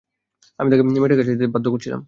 আমি তাকে মেয়েটার কাছে যেতে বাধ্য করেছিলাম।